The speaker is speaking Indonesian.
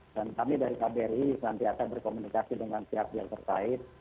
dan kami dari kbri nanti akan berkomunikasi dengan siap yang terkait